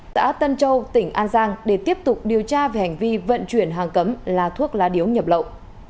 xã tân châu tỉnh an giang để tiếp tục điều tra về hành vi vận chuyển hàng cấm là thuốc lá điếu nhập lậu